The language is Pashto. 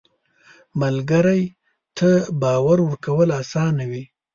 ملګری ته باور کول اسانه وي